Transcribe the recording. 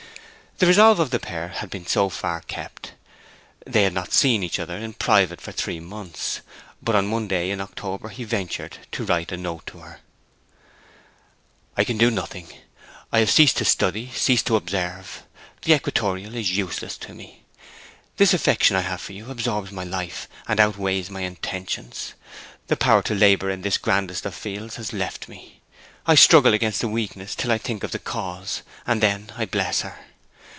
The resolve of the pair had been so far kept: they had not seen each other in private for three months. But on one day in October he ventured to write a note to her: 'I can do nothing! I have ceased to study, ceased to observe. The equatorial is useless to me. This affection I have for you absorbs my life, and outweighs my intentions. The power to labour in this grandest of fields has left me. I struggle against the weakness till I think of the cause, and then I bless her.